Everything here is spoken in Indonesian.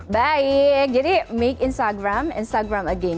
baik jadi make instagram instagram again